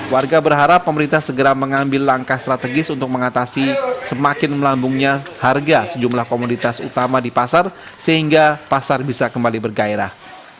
warga berharap pemerintah segera mengambil langkah strategis untuk mengatasi semakin melambungnya harga sejumlah komoditas utama di pasar sehingga pasar bisa kembali bergairah